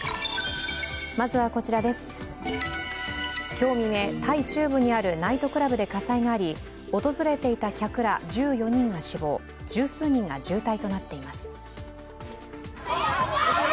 今日未明、タイ中部にあるナイトクラブで火災があり訪れていた客ら１４人が死亡十数人が重体となっています。